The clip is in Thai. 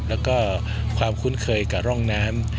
แล้วก็ความคุ้นเคยกับร่องน้ำ